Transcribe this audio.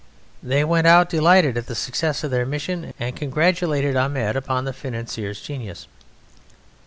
They went out, delighted at the success of their mission, and congratulated Ahmed upon the financier's genius.